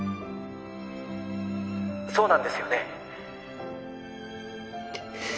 そうなんですよね？